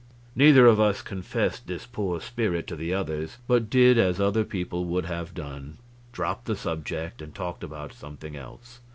Neither of us confessed this poor spirit to the others, but did as other people would have done dropped the subject and talked about something else.